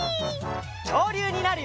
きょうりゅうになるよ！